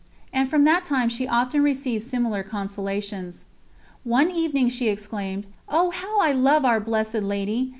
And from that time she often received similar consolations. One evening she exclaimed: "Oh, how I love Our Blessed Lady!